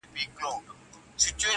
ورته ژاړه چي له حاله دي خبر سي!.